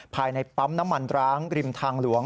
ภายในปั๊มน้ำมันร้างริมทางหลวง